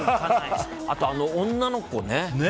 あと、あの女の子ね。